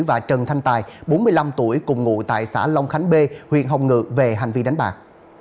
và trần thanh tài bốn mươi năm tuổi cùng ngụ tại xã long khánh bê huyện hồng ngự về hành vi đánh bạc